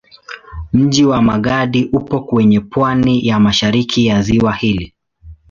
Mji wa Magadi upo kwenye pwani ya mashariki ya ziwa hili.